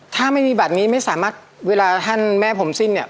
ถ้าไม่มีบัตรนี้ไม่สามารถเวลาท่านแม่ผมสิ้นเนี่ย